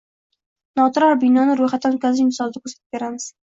noturar binoni ro‘yxatdan o‘tkazish misolida ko‘rsatib beramiz.